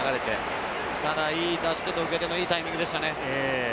いい出し方と受け手のタイミングでしたね。